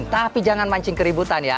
tapi jangan pancing keributan